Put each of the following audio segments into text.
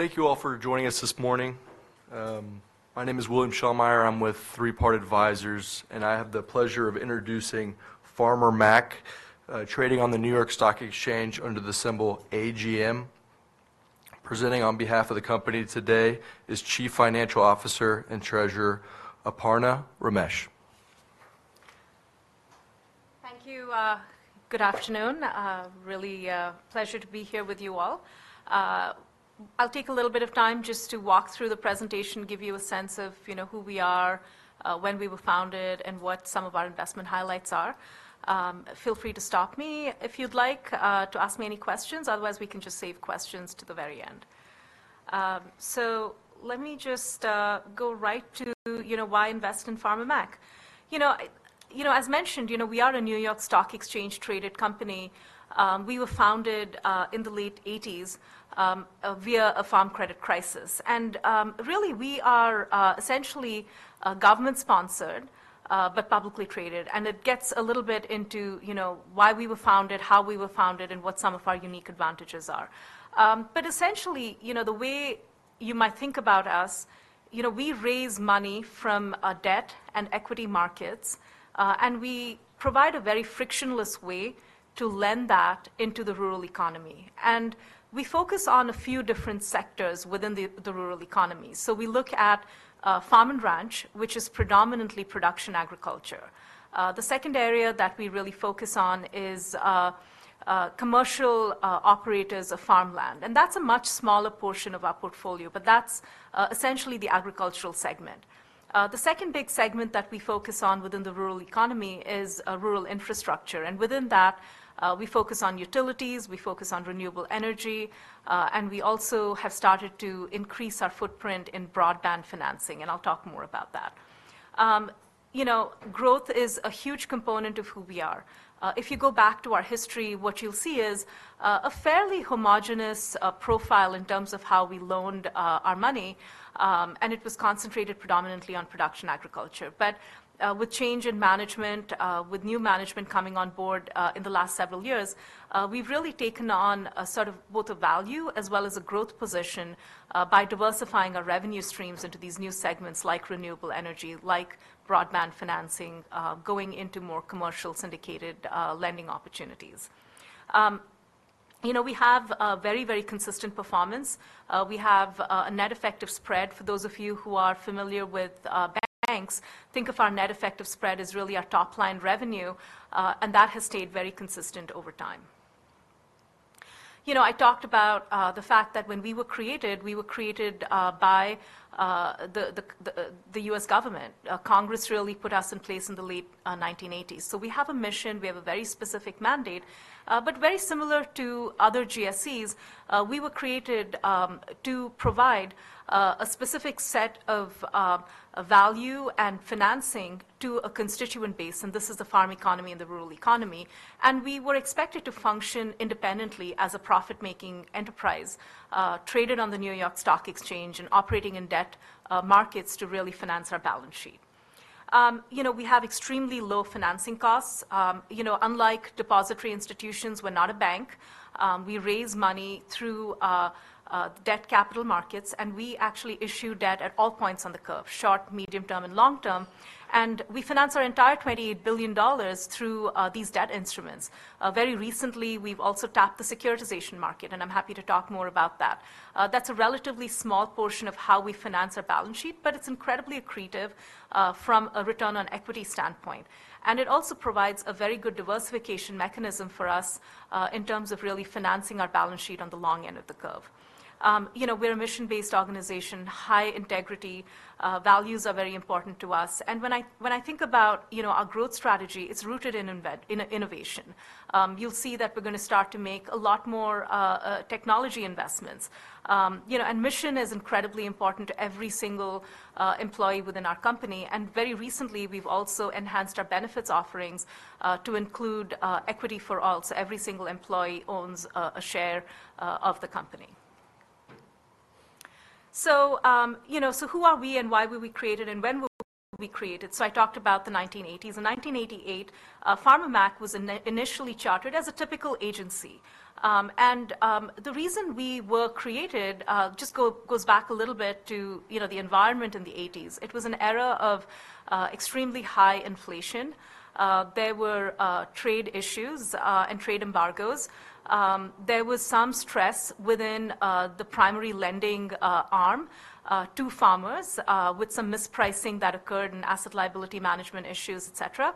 Thank you all for joining us this morning. My name is William Shellmyer. I'm with Three Part Advisors, and I have the pleasure of introducing Farmer Mac, trading on the New York Stock Exchange under the symbol AGM. Presenting on behalf of the company today is Chief Financial Officer and Treasurer, Aparna Ramesh. Thank you. Good afternoon. Really, a pleasure to be here with you all. I'll take a little bit of time just to walk through the presentation, give you a sense of, you know, who we are, when we were founded, and what some of our investment highlights are. Feel free to stop me if you'd like to ask me any questions. Otherwise, we can just save questions to the very end, so let me just go right to, you know, why invest in Farmer Mac? You know, as mentioned, you know, we are a New York Stock Exchange-traded company. We were founded in the late 1980s via a farm credit crisis. Really, we are essentially government-sponsored but publicly traded, and it gets a little bit into, you know, why we were founded, how we were founded, and what some of our unique advantages are. Essentially, you know, the way you might think about us, you know, we raise money from debt and equity markets, and we provide a very frictionless way to lend that into the rural economy. We focus on a few different sectors within the rural economy. We look at farm and ranch, which is predominantly production agriculture. The second area that we really focus on is commercial operators of farmland, and that's a much smaller portion of our portfolio, but that's essentially the agricultural segment. The second big segment that we focus on within the rural economy is rural infrastructure, and within that, we focus on utilities, we focus on renewable energy, and we also have started to increase our footprint in broadband financing, and I'll talk more about that. You know, growth is a huge component of who we are. If you go back to our history, what you'll see is a fairly homogeneous profile in terms of how we loaned our money, and it was concentrated predominantly on production agriculture. But with change in management, with new management coming on board in the last several years, we've really taken on a sort of both a value as well as a growth position by diversifying our revenue streams into these new segments, like renewable energy, like broadband financing, going into more commercial syndicated lending opportunities. You know, we have a very, very consistent performance. We have a net effective spread. For those of you who are familiar with banks, think of our net effective spread as really our top-line revenue, and that has stayed very consistent over time. You know, I talked about the fact that when we were created, we were created by the U.S. government. Congress really put us in place in the late 1980s. So we have a mission. We have a very specific mandate, but very similar to other GSEs. We were created to provide a specific set of value and financing to a constituent base, and this is the farm economy and the rural economy. We were expected to function independently as a profit-making enterprise, traded on the New York Stock Exchange and operating in debt markets to really finance our balance sheet. You know, we have extremely low financing costs. You know, unlike depository institutions, we're not a bank. We raise money through debt capital markets, and we actually issue debt at all points on the curve: short, medium-term, and long-term. And we finance our entire $28 billion through these debt instruments. Very recently, we've also tapped the securitization market, and I'm happy to talk more about that. That's a relatively small portion of how we finance our balance sheet, but it's incredibly accretive, from a return on equity standpoint, and it also provides a very good diversification mechanism for us, in terms of really financing our balance sheet on the long end of the curve. You know, we're a mission-based organization, high integrity. Values are very important to us. And when I think about, you know, our growth strategy, it's rooted in innovation. You'll see that we're gonna start to make a lot more technology investments. You know, and mission is incredibly important to every single employee within our company, and very recently, we've also enhanced our benefits offerings to include Equity for All. Every single employee owns a share of the company. You know, so who are we, and why were we created, and when were we created? I talked about the 1980's. In 1988, Farmer Mac was initially chartered as a typical agency. The reason we were created just goes back a little bit to, you know, the environment in the '80s. It was an era of extremely high inflation. There were trade issues and trade embargoes. There was some stress within the primary lending arm to farmers with some mispricing that occurred and asset liability management issues, et cetera.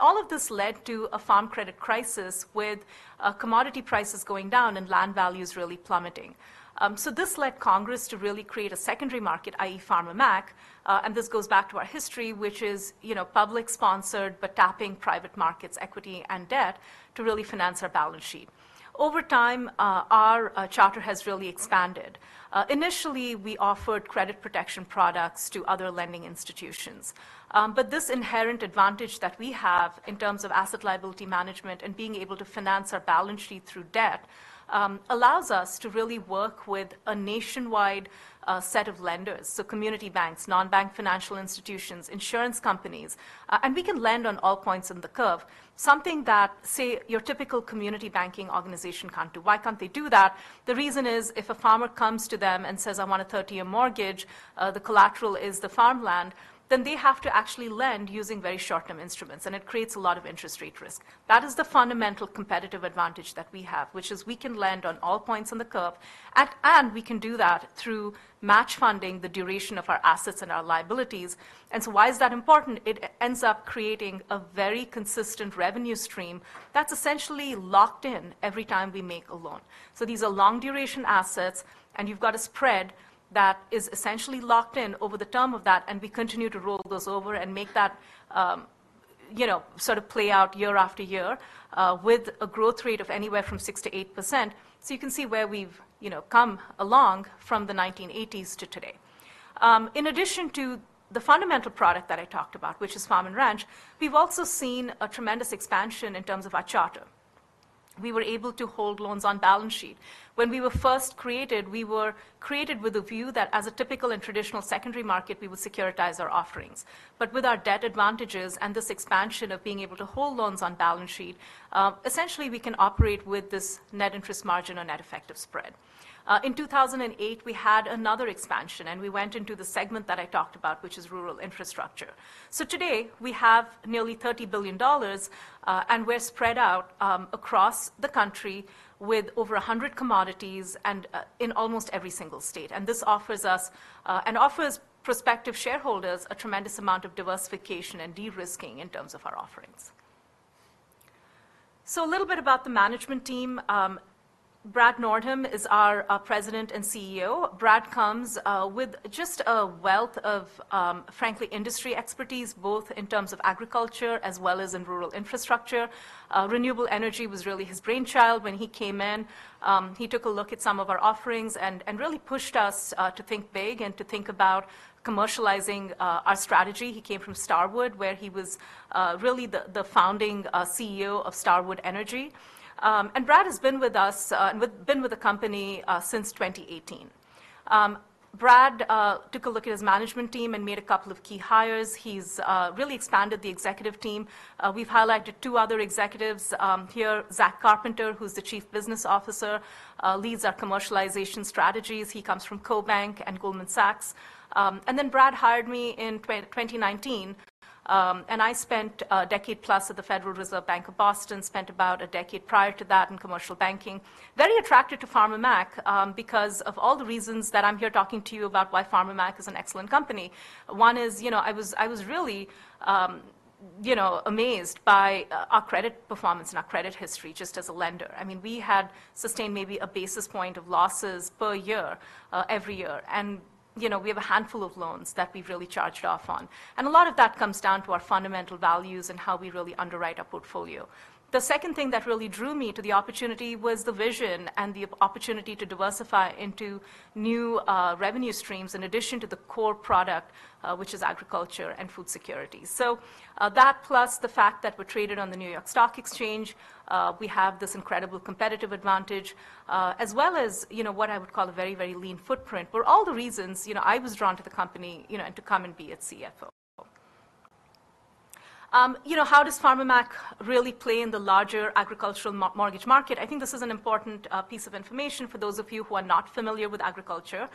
All of this led to a farm credit crisis with commodity prices going down and land values really plummeting. So this led Congress to really create a secondary market, i.e., Farmer Mac, and this goes back to our history, which is, you know, public-sponsored, but tapping private markets, equity, and debt, to really finance our balance sheet. Over time, our charter has really expanded. Initially, we offered credit protection products to other lending institutions, but this inherent advantage that we have in terms of asset liability management and being able to finance our balance sheet through debt allows us to really work with a nationwide set of lenders, so community banks, non-bank financial institutions, insurance companies, and we can lend on all points in the curve, something that, say, your typical community banking organization can't do. Why can't they do that? The reason is, if a farmer comes to them and says, "I want a thirty-year mortgage," the collateral is the farmland, then they have to actually lend using very short-term instruments, and it creates a lot of interest rate risk. That is the fundamental competitive advantage that we have, which is we can lend on all points on the curve, at... and we can do that through match funding the duration of our assets and our liabilities. And so why is that important? It ends up creating a very consistent revenue stream that's essentially locked in every time we make a loan. So these are long-duration assets, and you've got a spread that is essentially locked in over the term of that, and we continue to roll those over and make that. You know, sort of play out year after year with a growth rate of anywhere from 6-8%. So you can see where we've, you know, come along from the 1980s to today. In addition to the fundamental product that I talked about, which is farm and ranch, we've also seen a tremendous expansion in terms of our charter. We were able to hold loans on balance sheet. When we were first created, we were created with a view that as a typical and traditional secondary market, we would securitize our offerings. But with our debt advantages and this expansion of being able to hold loans on balance sheet, essentially, we can operate with this net interest margin or net effective spread. In 2008, we had another expansion, and we went into the segment that I talked about, which is rural infrastructure. So today, we have nearly $30 billion, and we're spread out across the country with over 100 commodities and in almost every single state. And this offers us and offers prospective shareholders a tremendous amount of diversification and de-risking in terms of our offerings. So a little bit about the management team. Brad Nordholm is our President and CEO. Brad comes with just a wealth of, frankly, industry expertise, both in terms of agriculture as well as in rural infrastructure. Renewable energy was really his brainchild when he came in. He took a look at some of our offerings and really pushed us to think big and to think about commercializing our strategy. He came from Starwood, where he was really the founding CEO of Starwood Energy. And Brad has been with us, been with the company since 2018. Brad took a look at his management team and made a couple of key hires. He's really expanded the executive team. We've highlighted two other executives here. Zach Carpenter, who's the Chief Business Officer, leads our commercialization strategies. He comes from CoBank and Goldman Sachs. And then Brad hired me in 2019, and I spent a decade plus at the Federal Reserve Bank of Boston, spent about a decade prior to that in commercial banking. Very attracted to Farmer Mac because of all the reasons that I'm here talking to you about why Farmer Mac is an excellent company. One is, you know, I was really amazed by our credit performance and our credit history just as a lender. I mean, we had sustained maybe a basis point of losses per year every year, and, you know, we have a handful of loans that we've really charged off on. And a lot of that comes down to our fundamental values and how we really underwrite our portfolio. The second thing that really drew me to the opportunity was the vision and the opportunity to diversify into new revenue streams, in addition to the core product, which is agriculture and food security. So, that plus the fact that we're traded on the New York Stock Exchange, we have this incredible competitive advantage, as well as, you know, what I would call a very, very lean footprint. For all the reasons, you know, I was drawn to the company, you know, and to come and be its CFO. You know, how does Farmer Mac really play in the larger agricultural mortgage market? I think this is an important piece of information for those of you who are not familiar with agriculture.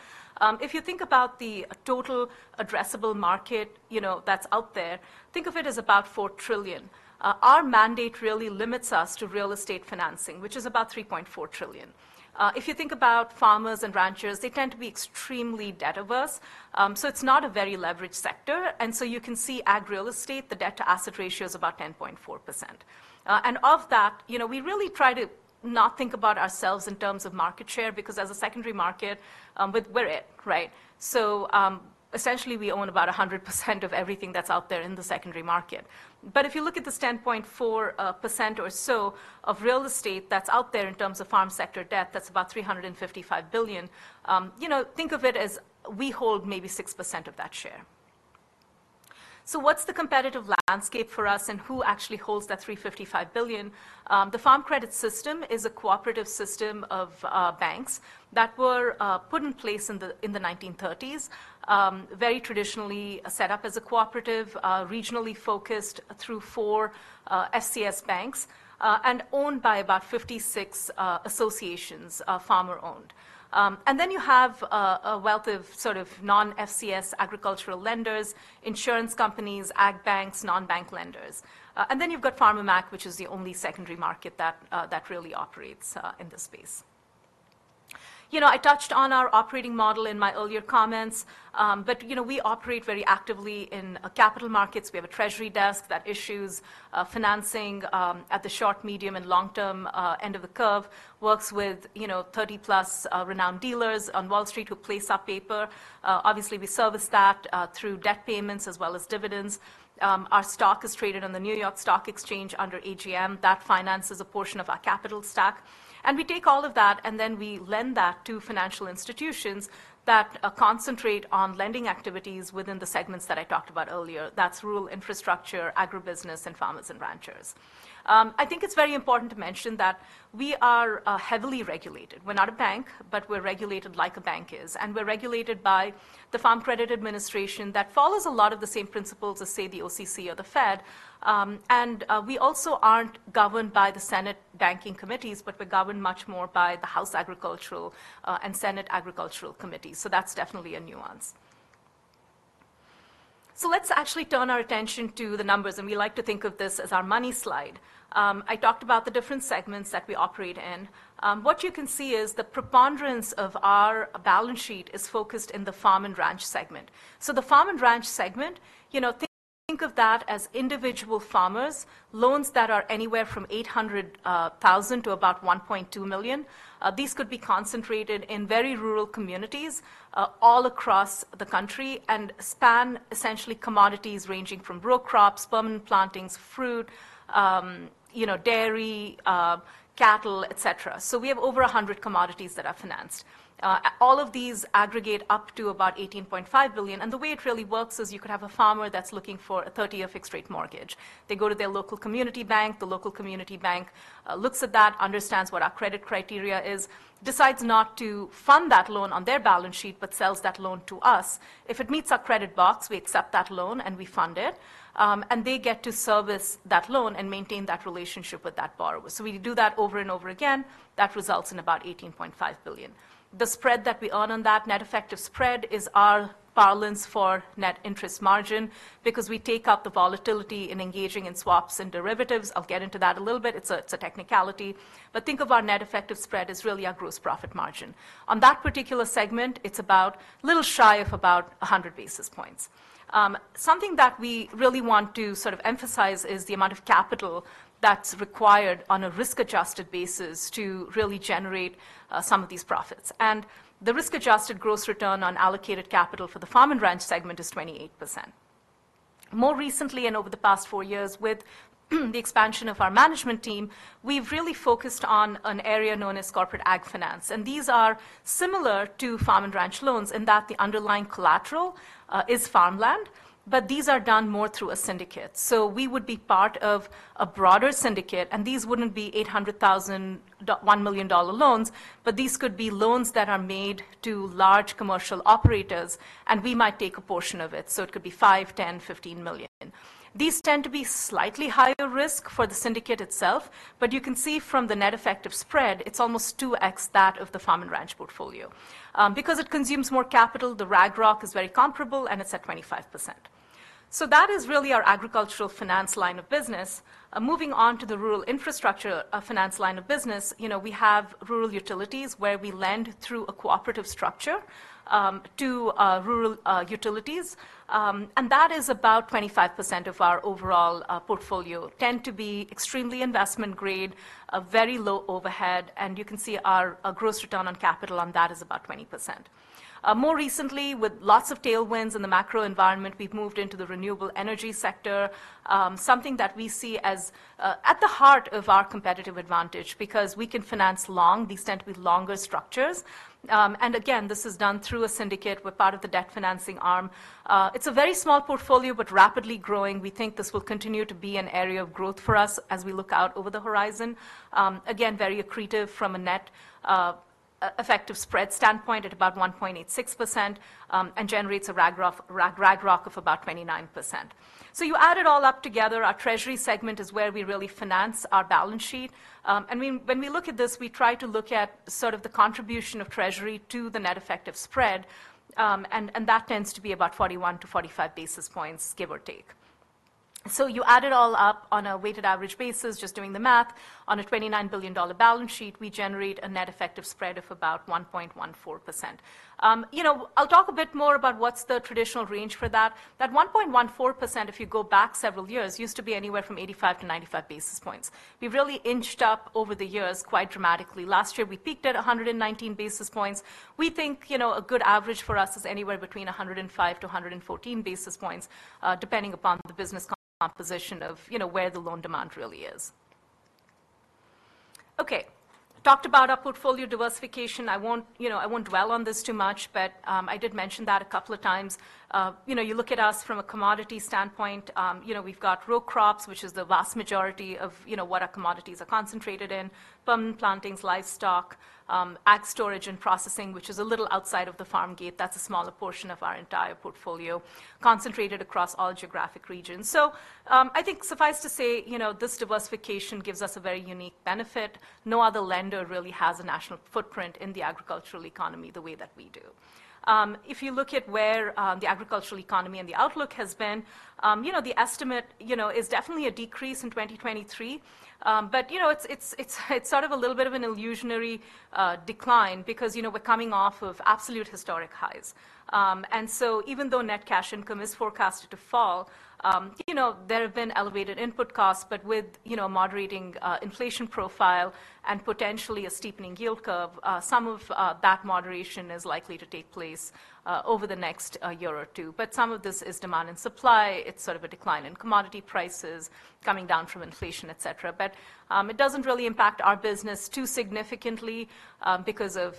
If you think about the total addressable market, you know, that's out there, think of it as about $4 trillion. Our mandate really limits us to real estate financing, which is about $3.4 trillion. If you think about farmers and ranchers, they tend to be extremely debt-averse, so it's not a very leveraged sector, and so you can see ag real estate, the debt-to-asset ratio is about 10.4%. And of that, you know, we really try to not think about ourselves in terms of market share, because as a secondary market, but we're it, right? Essentially, we own about 100% of everything that's out there in the secondary market. But if you look from the standpoint of 4% or so of real estate that's out there in terms of farm sector debt, that's about $355 billion, you know, think of it as we hold maybe 6% of that share. What's the competitive landscape for us, and who actually holds that $355 billion? The Farm Credit System is a cooperative system of banks that were put in place in the 1930's. Very traditionally set up as a cooperative, regionally focused through four FCS banks, and owned by about 56 associations, farmer-owned. And then you have a wealth of sort of non-FCS agricultural lenders, insurance companies, ag banks, non-bank lenders. And then you've got Farmer Mac, which is the only secondary market that really operates in this space. You know, I touched on our operating model in my earlier comments, but you know, we operate very actively in capital markets. We have a treasury desk that issues financing at the short, medium, and long-term end of the curve. Works with, you know, 30+ renowned dealers on Wall Street who place our paper. Obviously, we service that through debt payments as well as dividends. Our stock is traded on the New York Stock Exchange under AGM. That finances a portion of our capital stack, and we take all of that, and then we lend that to financial institutions that concentrate on lending activities within the segments that I talked about earlier. That's rural infrastructure, agribusiness, and farmers and ranchers. I think it's very important to mention that we are heavily regulated. We're not a bank, but we're regulated like a bank is, and we're regulated by the Farm Credit Administration that follows a lot of the same principles as, say, the OCC or the Fed. We also aren't governed by the Senate Banking Committees, but we're governed much more by the House Agriculture and Senate Agriculture Committee, so that's definitely a nuance. So let's actually turn our attention to the numbers, and we like to think of this as our money slide. I talked about the different segments that we operate in. What you can see is the preponderance of our balance sheet is focused in the farm and ranch segment. So the farm and ranch segment, you know, think of that as individual farmers, loans that are anywhere from $800,000 to about $1.2 million. These could be concentrated in very rural communities, all across the country and span essentially commodities ranging from row crops, permanent plantings, fruit, you know, dairy, cattle, et cetera. So we have over a 100 commodities that are financed. All of these aggregate up to about $18.5 billion, and the way it really works is you could have a farmer that's looking for a thirty-year fixed rate mortgage. They go to their local community bank. The local community bank looks at that, understands what our credit criteria is, decides not to fund that loan on their balance sheet, but sells that loan to us. If it meets our credit box, we accept that loan, and we fund it, and they get to service that loan and maintain that relationship with that borrower. So we do that over and over again. That results in about $18.5 billion. The spread that we earn on that net effective spread is our balance for net interest margin because we take out the volatility in engaging in swaps and derivatives. I'll get into that a little bit. It's a, it's a technicality, but think of our net effective spread as really our gross profit margin. On that particular segment, it's a little shy of about a hundred basis points. Something that we really want to sort of emphasize is the amount of capital that's required on a risk-adjusted basis to really generate some of these profits. The risk-adjusted gross return on allocated capital for the farm and ranch segment is 28%. More recently, and over the past four years with the expansion of our management team, we've really focused on an area known as corporate ag finance, and these are similar to farm and ranch loans in that the underlying collateral is farmland, but these are done more through a syndicate. So we would be part of a broader syndicate, and these wouldn't be $800,000, $1 million loans, but these could be loans that are made to large commercial operators, and we might take a portion of it, so it could be 5-$15 million. These tend to be slightly higher risk for the syndicate itself, but you can see from the net effective spread, it's almost 2X that of the farm and ranch portfolio. Because it consumes more capital, the RAGROC is very comparable, and it's at 25%. So that is really our agricultural finance line of business. Moving on to the rural infrastructure finance line of business, you know, we have rural utilities where we lend through a cooperative structure to rural utilities. And that is about 25% of our overall portfolio, tend to be extremely investment grade, a very low overhead, and you can see our gross return on capital on that is about 20%. More recently, with lots of tailwinds in the macro environment, we've moved into the renewable energy sector, something that we see as at the heart of our competitive advantage because we can finance long, these tend to be longer structures. And again, this is done through a syndicate. We're part of the debt financing arm. It's a very small portfolio but rapidly growing. We think this will continue to be an area of growth for us as we look out over the horizon. Again, very accretive from a net effective spread standpoint at about 1.86%, and generates a RAG ROC of about 29%. So you add it all up together, our treasury segment is where we really finance our balance sheet. And we, when we look at this, we try to look at sort of the contribution of treasury to the net effective spread, and that tends to be about 41-45 basis points, give or take. So you add it all up on a weighted average basis, just doing the math, on a $29 billion balance sheet, we generate a net effective spread of about 1.14%. You know, I'll talk a bit more about what's the traditional range for that. That 1.14%, if you go back several years, used to be anywhere from 85-95 basis points. We've really inched up over the years quite dramatically. Last year, we peaked at 119 basis points. We think, you know, a good average for us is anywhere between 105-114 basis points, depending upon the business composition of you know, where the loan demand really is. Okay, talked about our portfolio diversification. I won't, you know, I won't dwell on this too much, but, I did mention that a couple of times. You know, you look at us from a commodity standpoint, you know, we've got row crops, which is the vast majority of, you know, what our commodities are concentrated in, permanent plantings, livestock, ag storage and processing, which is a little outside of the farm gate. That's a smaller portion of our entire portfolio, concentrated across all geographic regions. I think suffice to say, you know, this diversification gives us a very unique benefit. No other lender really has a national footprint in the agricultural economy the way that we do. If you look at where, the agricultural economy and the outlook has been, you know, the estimate, you know, is definitely a decrease in 2023. But you know, it's sort of a little bit of an illusionary decline because you know, we're coming off of absolute historic highs. And so even though net cash income is forecasted to fall, you know, there have been elevated input costs, but with you know, moderating inflation profile and potentially a steepening yield curve, some of that moderation is likely to take place over the next year or two. But some of this is demand and supply. It's sort of a decline in commodity prices coming down from inflation, et cetera. But it doesn't really impact our business too significantly, because of,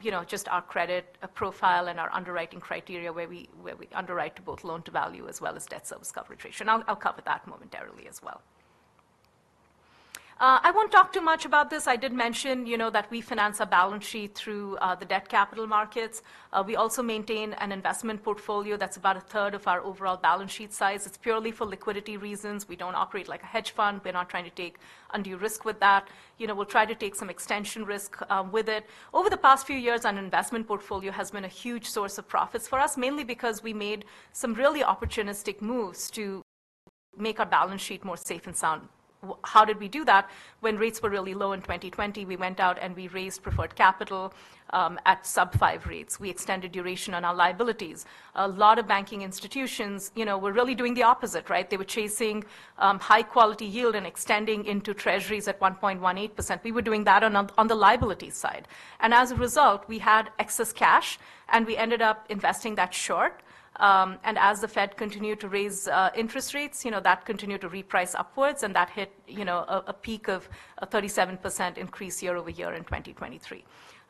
you know, just our credit profile and our underwriting criteria, where we underwrite to both loan-to-value as well as debt service coverage ratio, and I'll cover that momentarily as well. I won't talk too much about this. I did mention, you know, that we finance our balance sheet through the debt capital markets. We also maintain an investment portfolio that's about a third of our overall balance sheet size. It's purely for liquidity reasons. We don't operate like a hedge fund. We're not trying to take undue risk with that. You know, we'll try to take some extension risk with it. Over the past few years, our investment portfolio has been a huge source of profits for us, mainly because we made some really opportunistic moves to make our balance sheet more safe and sound. How did we do that? When rates were really low in 2020, we went out, and we raised preferred capital at sub-five rates. We extended duration on our liabilities. A lot of banking institutions, you know, were really doing the opposite, right? They were chasing high quality yield and extending into treasuries at 1.18%. We were doing that on the liability side, and as a result, we had excess cash, and we ended up investing that short. And as the Fed continued to raise interest rates, you know, that continued to reprice upwards, and that hit, you know, a peak of a 37% increase year over year in 2023.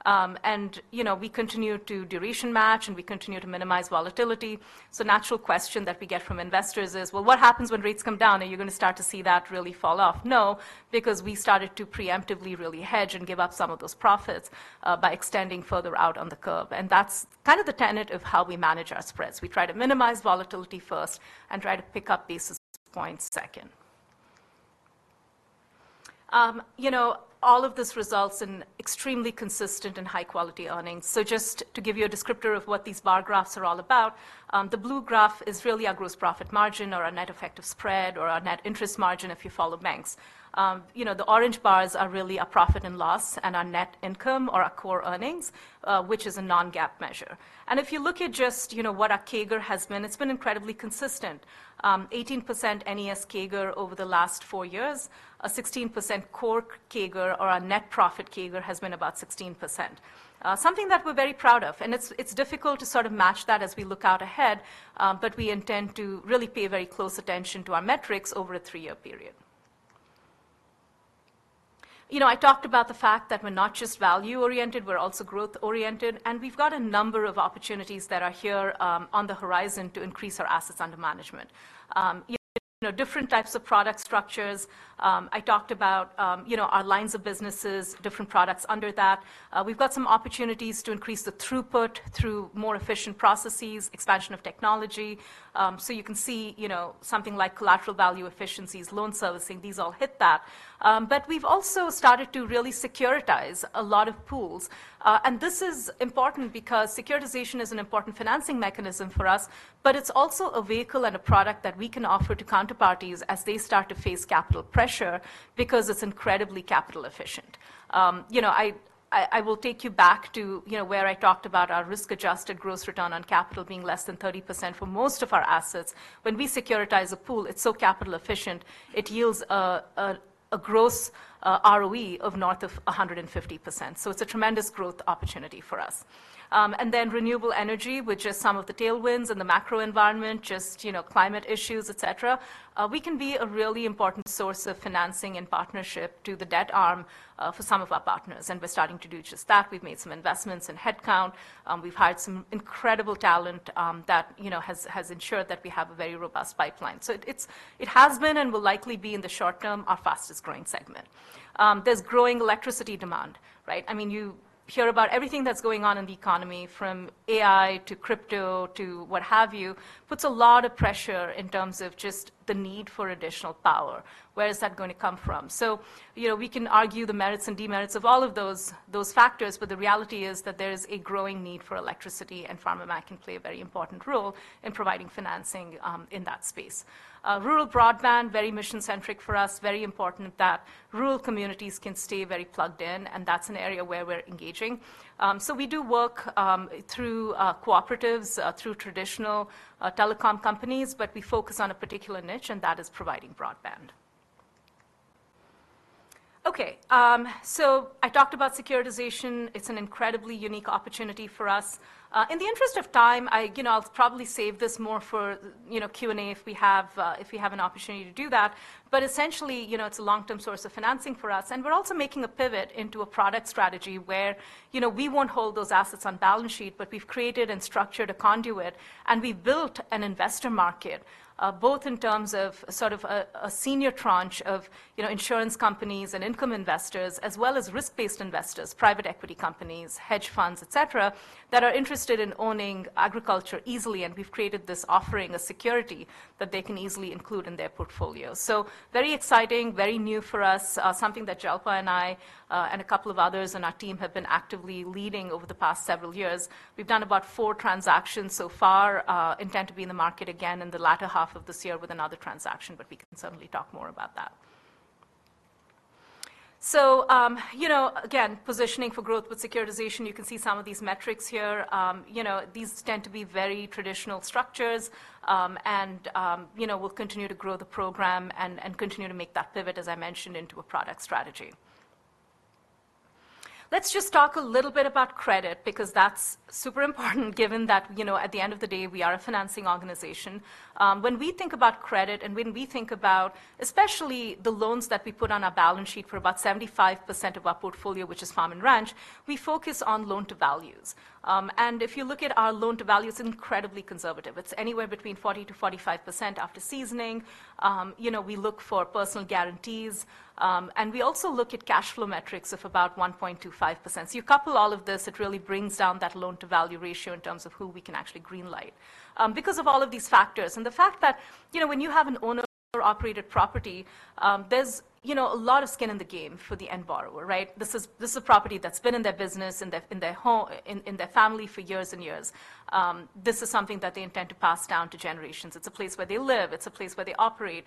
And, you know, we continued to duration match, and we continued to minimize volatility. So natural question that we get from investors is: Well, what happens when rates come down? Are you gonna start to see that really fall off? No, because we started to preemptively really hedge and give up some of those profits by extending further out on the curve, and that's kind of the tenet of how we manage our spreads. We try to minimize volatility first and try to pick up basis points second. You know, all of this results in extremely consistent and high-quality earnings. So just to give you a descriptor of what these bar graphs are all about, the blue graph is really our gross profit margin or our net effective spread or our net interest margin if you follow banks. You know, the orange bars are really our profit and loss and our net income or our core earnings, which is a non-GAAP measure. And if you look at just, you know, what our CAGR has been, it's been incredibly consistent. 18% NES CAGR over the last four years, a 16% core CAGR or our net profit CAGR has been about 16%. Something that we're very proud of, and it's difficult to sort of match that as we look out ahead, but we intend to really pay very close attention to our metrics over a three-year period. You know, I talked about the fact that we're not just value-oriented, we're also growth-oriented, and we've got a number of opportunities that are here, on the horizon to increase our assets under management. You know, different types of product structures. I talked about, you know, our lines of businesses, different products under that. We've got some opportunities to increase the throughput through more efficient processes, expansion of technology, so you can see, you know, something like collateral-value efficiencies, loan servicing, these all hit that, but we've also started to really securitize a lot of pools, and this is important because securitization is an important financing mechanism for us, but it's also a vehicle and a product that we can offer to counterparties as they start to face capital pressure because it's incredibly capital efficient. You know, I will take you back to, you know, where I talked about our risk-adjusted gross return on capital being less than 30% for most of our assets. When we securitize a pool, it's so capital efficient, it yields a gross ROE of north of 150%. So it's a tremendous growth opportunity for us. And then renewable energy, which is some of the tailwinds and the macro environment, just, you know, climate issues, et cetera. We can be a really important source of financing and partnership to the debt arm for some of our partners, and we're starting to do just that. We've made some investments in headcount. We've hired some incredible talent that, you know, has ensured that we have a very robust pipeline. So it has been and will likely be, in the short term, our fastest-growing segment. There's growing electricity demand, right? I mean, you hear about everything that's going on in the economy, from AI to crypto to what have you, puts a lot of pressure in terms of just the need for additional power. Where is that going to come from? So, you know, we can argue the merits and demerits of all of those factors, but the reality is that there is a growing need for electricity, and Farm and Ranch can play a very important role in providing financing, in that space. Rural broadband, very mission-centric for us, very important that rural communities can stay very plugged in, and that's an area where we're engaging. So we do work through cooperatives through traditional telecom companies, but we focus on a particular niche, and that is providing broadband. Okay, so I talked about securitization. It's an incredibly unique opportunity for us. In the interest of time, I, you know, I'll probably save this more for, you know, Q&A if we have an opportunity to do that. But essentially, you know, it's a long-term source of financing for us, and we're also making a pivot into a product strategy where, you know, we won't hold those assets on balance sheet. But we've created and structured a conduit, and we've built an investor market, both in terms of sort of a senior tranche of, you know, insurance companies and income investors, as well as risk-based investors, private equity companies, hedge funds, et cetera, that are interested in owning agriculture easily, and we've created this offering of security that they can easily include in their portfolio. So very exciting, very new for us, something that Jelka and I, and a couple of others on our team have been actively leading over the past several years. We've done about four transactions so far, intend to be in the market again in the latter half of this year with another transaction, but we can certainly talk more about that. So, you know, again, positioning for growth with securitization, you can see some of these metrics here. You know, these tend to be very traditional structures, and, you know, we'll continue to grow the program and continue to make that pivot, as I mentioned, into a product strategy. Let's just talk a little bit about credit because that's super important, given that, you know, at the end of the day, we are a financing organization. When we think about credit and when we think about, especially the loans that we put on our balance sheet for about 75% of our portfolio, which is Farm and Ranch, we focus on loan-to-values. And if you look at our loan-to-value, it's incredibly conservative. It's anywhere between 40-45% after seasoning. You know, we look for personal guarantees, and we also look at cash flow metrics of about 1.25%. So you couple all of this, it really brings down that loan-to-value ratio in terms of who we can actually greenlight. Because of all of these factors and the fact that, you know, when you have an owner-operated property, there's, you know, a lot of skin in the game for the end borrower, right? This is a property that's been in their business, in their home, in their family for years and years. This is something that they intend to pass down to generations. It's a place where they live. It's a place where they operate,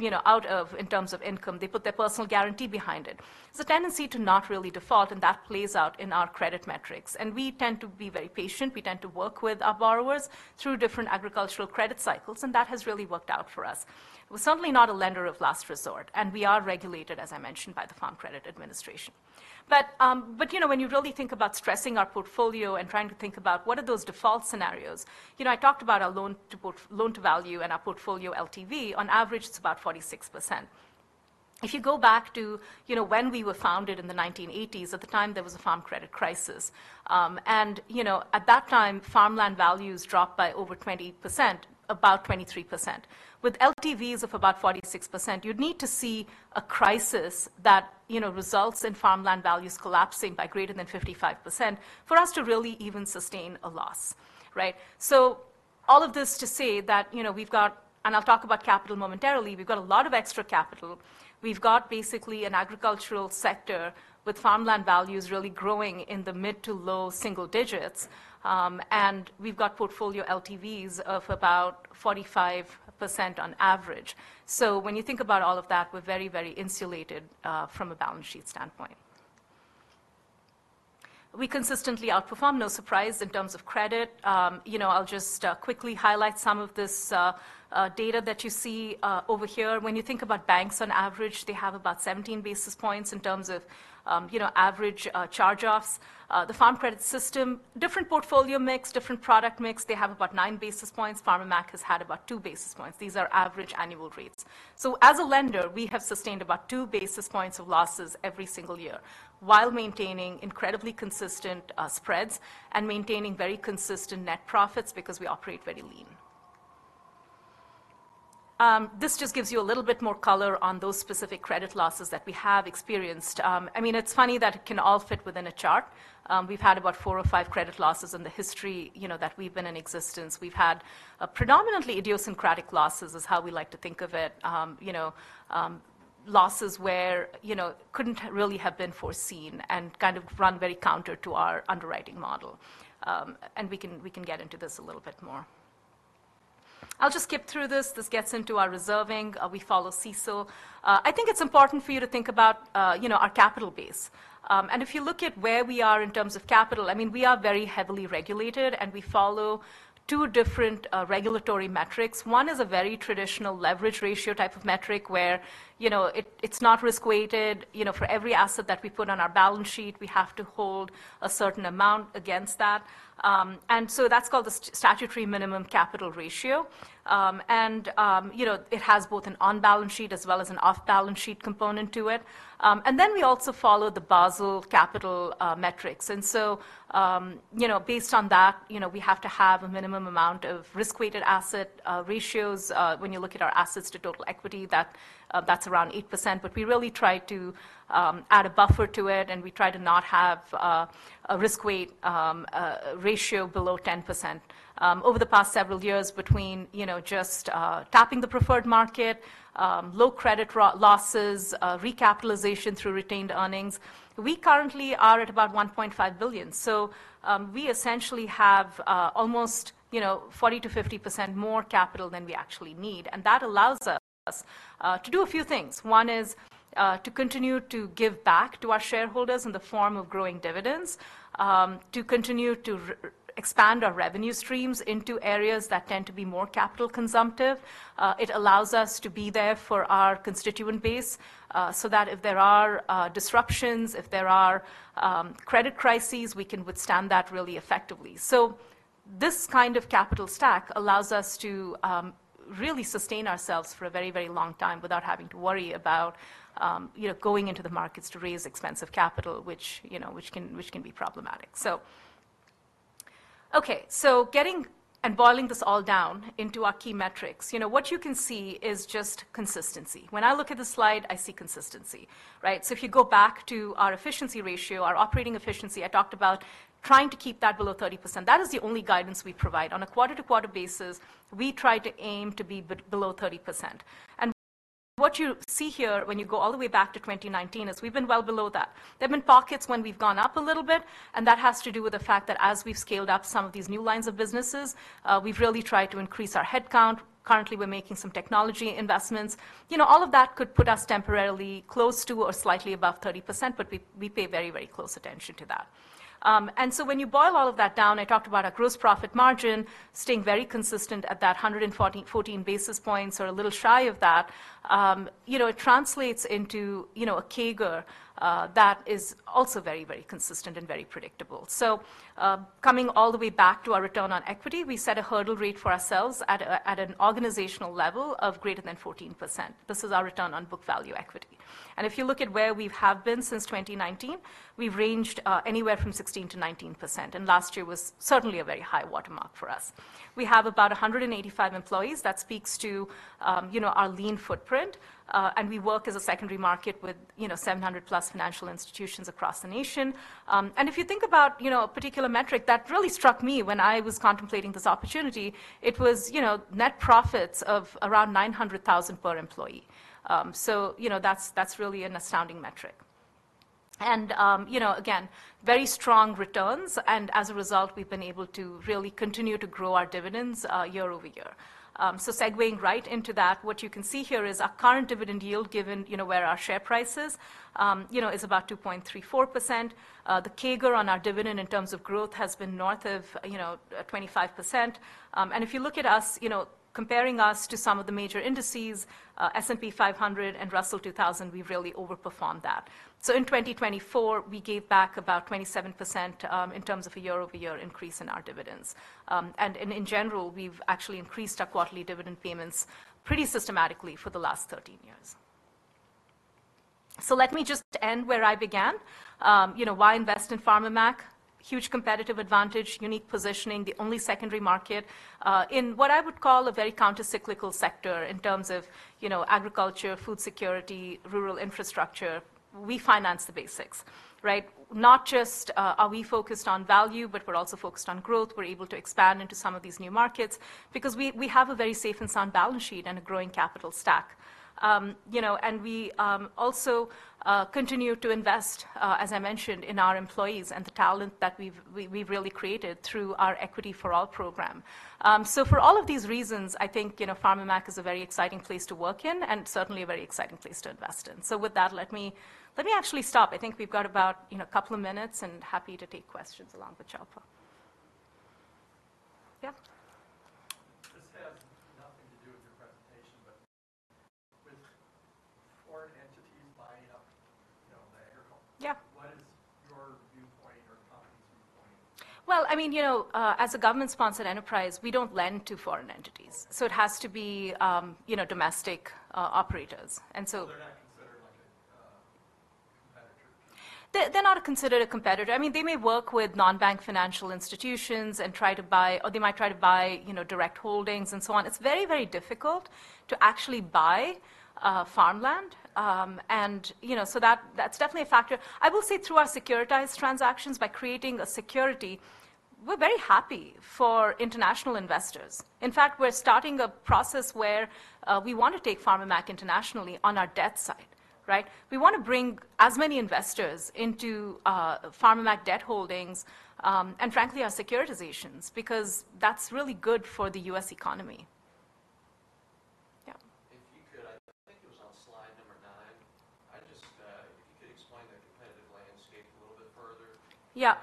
you know, out of in terms of income. They put their personal guarantee behind it. There's a tendency to not really default, and that plays out in our credit metrics, and we tend to be very patient. We tend to work with our borrowers through different agricultural credit cycles, and that has really worked out for us. We're certainly not a lender of last resort, and we are regulated, as I mentioned, by the Farm Credit Administration, but you know, when you really think about stressing our portfolio and trying to think about what are those default scenarios, you know, I talked about our loan-to-value and our portfolio LTV. On average, it's about 46%. If you go back to, you know, when we were founded in the 1980's, at that time there was a farm credit crisis, you know, at that time, farmland values dropped by over 20%, about 23%. With LTVs of about 46%, you'd need to see a crisis that, you know, results in farmland values collapsing by greater than 55% for us to really even sustain a loss, right? So all of this to say that, you know, we've got, and I'll talk about capital momentarily, we've got a lot of extra capital. We've got basically an agricultural sector with farmland values really growing in the mid- to low-single digits, and we've got portfolio LTVs of about 45% on average. So when you think about all of that, we're very, very insulated from a balance sheet standpoint. We consistently outperform, no surprise, in terms of credit. You know, I'll just quickly highlight some of this data that you see over here. When you think about banks on average, they have about 17 basis points in terms of, you know, average charge-offs. The Farm Credit System, different portfolio mix, different product mix, they have about nine basis points. Farmer Mac has had about two basis points. These are average annual rates. So as a lender, we have sustained about two basis points of losses every single year, while maintaining incredibly consistent spreads and maintaining very consistent net profits because we operate very lean. This just gives you a little bit more color on those specific credit losses that we have experienced. I mean, it's funny that it can all fit within a chart. We've had about four or five credit losses in the history, you know, that we've been in existence. We've had a predominantly idiosyncratic losses, is how we like to think of it. You know, losses where, you know, couldn't really have been foreseen and kind of run very counter to our underwriting model. And we can get into this a little bit more. I'll just skip through this. This gets into our reserving. We follow CECL. I think it's important for you to think about, you know, our capital base. And if you look at where we are in terms of capital, I mean, we are very heavily regulated, and we follow two different, regulatory metrics. One is a very traditional leverage ratio type of metric, where, you know, it's not risk-weighted. You know, for every asset that we put on our balance sheet, we have to hold a certain amount against that. And so that's called the statutory minimum capital ratio. And, you know, it has both an on-balance sheet as well as an off-balance sheet component to it. And then we also follow the Basel capital metrics. So, you know, based on that, you know, we have to have a minimum amount of risk-weighted asset ratios. When you look at our assets to total equity, that's around 8%, but we really try to add a buffer to it, and we try to not have a risk-weight ratio below 10%. Over the past several years, between, you know, just tapping the preferred market, low credit losses, recapitalization through retained earnings, we currently are at about $1.5 billion. So, we essentially have, almost, you know, 40%-50% more capital than we actually need, and that allows us, to do a few things. One is, to continue to give back to our shareholders in the form of growing dividends, to continue to expand our revenue streams into areas that tend to be more capital consumptive. It allows us to be there for our constituent base, so that if there are, disruptions, if there are, credit crises, we can withstand that really effectively. So this kind of capital stack allows us to, really sustain ourselves for a very, very long time without having to worry about, you know, going into the markets to raise expensive capital, which, you know, which can be problematic. Getting and boiling this all down into our key metrics, you know, what you can see is just consistency. When I look at the slide, I see consistency, right? If you go back to our efficiency ratio, our operating efficiency, I talked about trying to keep that below 30%. That is the only guidance we provide. On a quarter-to-quarter basis, we try to aim to be below 30%. What you see here when you go all the way back to 2019 is we've been well below that. There have been pockets when we've gone up a little bit, and that has to do with the fact that as we've scaled up some of these new lines of businesses, we've really tried to increase our headcount. Currently, we're making some technology investments. You know, all of that could put us temporarily close to or slightly above 30%, but we, we pay very, very close attention to that. And so when you boil all of that down, I talked about our gross profit margin staying very consistent at that hundred and forty-four basis points or a little shy of that. You know, it translates into, you know, a CAGR that is also very, very consistent and very predictable. Coming all the way back to our return on equity, we set a hurdle rate for ourselves at an organizational level of greater than 14%. This is our return on book value equity. If you look at where we have been since 2019, we've ranged anywhere from 16%-19%, and last year was certainly a very high watermark for us. We have about 185 employees. That speaks to, you know, our lean footprint, and we work as a secondary market with, you know, 700-plus financial institutions across the nation, and if you think about, you know, a particular metric that really struck me when I was contemplating this opportunity, it was, you know, net profits of around $900,000 per employee, so you know, that's really an astounding metric, and you know, again, very strong returns, and as a result, we've been able to really continue to grow our dividends, year over year. So segueing right into that, what you can see here is our current dividend yield, given, you know, where our share price is, you know, is about 2.34%. The CAGR on our dividend in terms of growth has been north of, you know, 25%. And if you look at us, you know, comparing us to some of the major indices, S&P 500 and Russell 2000, we've really overperformed that. So in 2024, we gave back about 27%, in terms of a year-over-year increase in our dividends. And in general, we've actually increased our quarterly dividend payments pretty systematically for the last 13 years. So let me just end where I began. You know, why invest in Farmer Mac? Huge competitive advantage, unique positioning, the only secondary market, in what I would call a very countercyclical sector in terms of, you know, agriculture, food security, rural infrastructure. We finance the basics, right? Not just, are we focused on value, but we're also focused on growth. We're able to expand into some of these new markets because we have a very safe and sound balance sheet and a growing capital stack. You know, and we also continue to invest, as I mentioned, in our employees and the talent that we've really created through our Equity for All program. So for all of these reasons, I think, you know, Farmer Mac is a very exciting place to work in and certainly a very exciting place to invest in. So with that, let me actually stop. I think we've got about, you know, a couple of minutes and happy to take questions along the chopper. Yeah. This has nothing to do with your presentation, but with foreign entities buying up, you know, the agriculture- Yeah. What is your viewpoint or company's viewpoint? I mean, you know, as a government-sponsored enterprise, we don't lend to foreign entities. Okay. So it has to be, you know, domestic operators, and so- So they're not considered like a competitor? They're not considered a competitor. I mean, they may work with non-bank financial institutions and try to buy or they might try to buy, you know, direct holdings and so on. It's very, very difficult to actually buy farmland. And, you know, so that, that's definitely a factor. I will say through our securitized transactions, by creating a security, we're very happy for international investors. In fact, we're starting a process where we want to take Farmer Mac internationally on our debt side, right? We want to bring as many investors into Farmer Mac debt holdings, and frankly, our securitizations, because that's really good for the U.S. economy. Yeah. If you could, I think it was on slide number nine, I just, if you could explain the competitive landscape a little bit further. Yeah.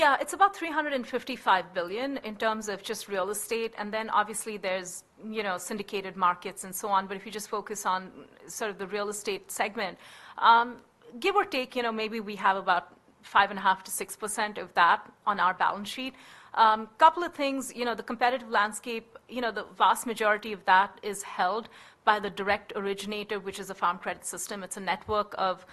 How do you plan to grow your share of that? I think it was like $380-plus billion dollar market. Yeah, it's about $355 billion in terms of just real estate, and then obviously, there's, you know, syndicated markets and so on. But if you just focus on sort of the real estate segment, give or take, you know, maybe we have about 5.5%-6% of that on our balance sheet. Couple of things, you know, the competitive landscape, you know, the vast majority of that is held by the direct originator, which is the Farm Credit System. It's a network of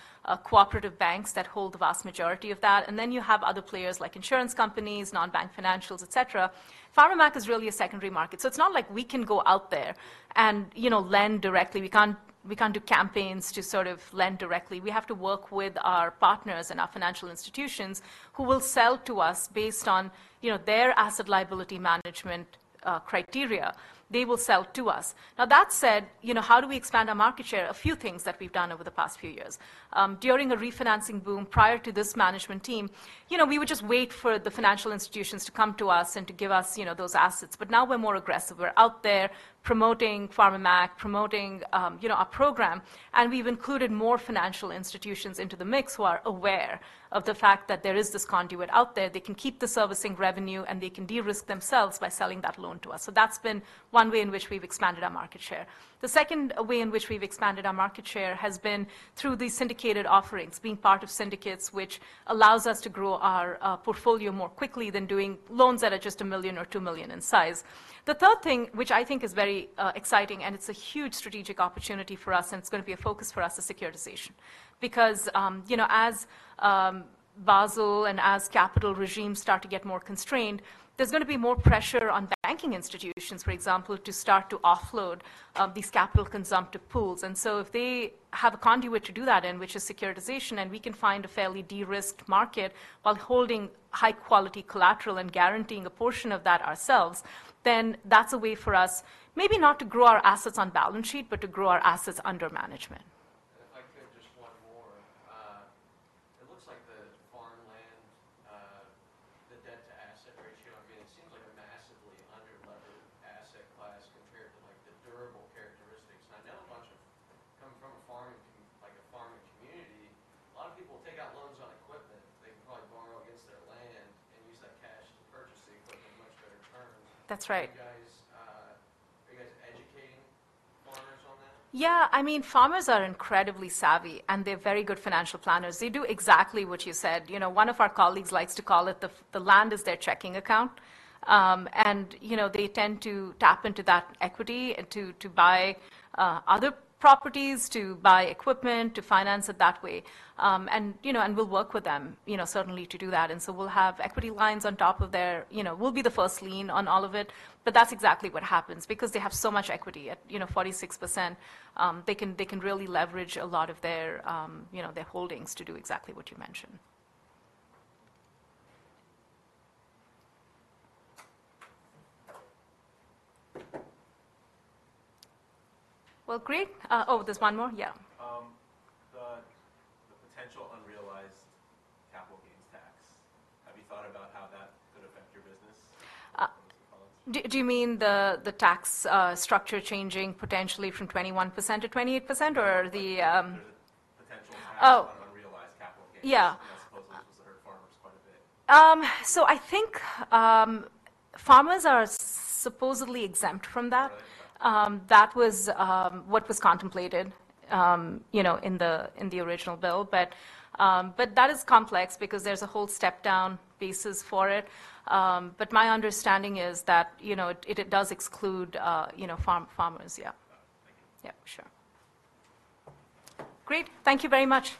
cooperative banks that hold the vast majority of that. And then you have other players like insurance companies, non-bank financials, et cetera. Farmer Mac is really a secondary market, so it's not like we can go out there and, you know, lend directly. We can't. We can't do campaigns to sort of lend directly. We have to work with our partners and our financial institutions who will sell to us based on, you know, their asset liability management criteria. They will sell to us. Now, that said, you know, how do we expand our market share? A few things that we've done over the past few years. During a refinancing boom, prior to this management team, you know, we would just wait for the financial institutions to come to us and to give us, you know, those assets. But now we're more aggressive. We're out there promoting Farmer Mac, promoting, you know, our program, and we've included more financial institutions into the mix who are aware of the fact that there is this conduit out there. They can keep the servicing revenue, and they can de-risk themselves by selling that loan to us. So that's been one way in which we've expanded our market share. The second way in which we've expanded our market share has been through these syndicated offerings, being part of syndicates, which allows us to grow our portfolio more quickly than doing loans that are just a million or two million in size. The third thing, which I think is very exciting, and it's a huge strategic opportunity for us, and it's gonna be a focus for us, is securitization. Because you know, as Basel and as capital regimes start to get more constrained, there's gonna be more pressure on banking institutions, for example, to start to offload these capital consumptive pools. And so if they have a conduit to do that in, which is securitization, and we can find a fairly de-risked market while holding high-quality collateral and guaranteeing a portion of that ourselves, then that's a way for us, maybe not to grow our assets on balance sheet, but to grow our assets under management. properties, to buy equipment, to finance it that way. And, you know, and we'll work with them, you know, certainly to do that. And so we'll have equity lines on top of their... You know, we'll be the first lien on all of it, but that's exactly what happens because they have so much equity at, you know, 46%. They can really leverage a lot of their, you know, their holdings to do exactly what you mentioned. Well, great. Oh, there's one more? Yeah. The potential unrealized capital gains tax, have you thought about how that could affect your business? Do you mean the tax structure changing potentially from 21% to 28%, or the- There's a potential. Oh... tax on unrealized capital gains. Yeah. That supposedly hurts farmers quite a bit. So I think, farmers are supposedly exempt from that. Yeah. That was what was contemplated, you know, in the original bill. But that is complex because there's a whole step-down basis for it. But my understanding is that, you know, it does exclude, you know, farmers. Yeah. Thank you. Yeah, sure. Great! Thank you very much.